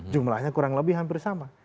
jumlahnya kurang lebih hampir sama